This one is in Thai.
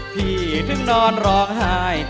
พี่ถึงนอนร้องหาย